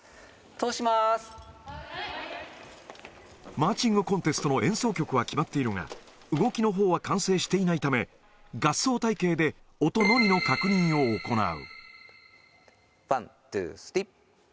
マーチングコンテストの演奏曲は決まっているが、動きのほうは完成していないため、合奏隊形で音のみの確認を行う。